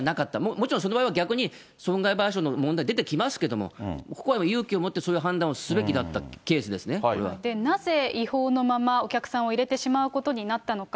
もちろんその場合は逆に、損害賠償の問題出てきますけれども、ここは勇気を持ってそういう判断をすべきだったケースですね、こなぜ、違法のままお客さんを入れてしまうことになったのか。